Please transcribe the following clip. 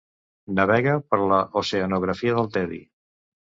Navega per l'oceanografia del tedi.